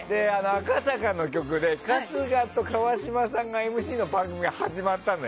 赤坂の局で春日と川島さんがＭＣの番組が始まったの。